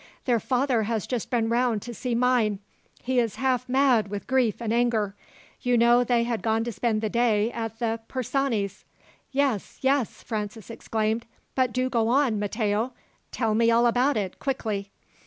"Their father has just been round to see mine. He is half mad with grief and anger. You know they had gone to spend the day at the Persanis?" "Yes, yes," Francis exclaimed; "but do go on, Matteo. Tell me all about it, quickly."